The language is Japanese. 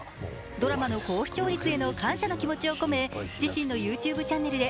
ドラマの高視聴率への感謝の気持ちを込め、自身のＹｏｕＴｕｂｅチャンネルで